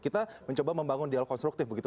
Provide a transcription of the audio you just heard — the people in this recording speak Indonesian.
kita mencoba membangun dialog konstruktif begitu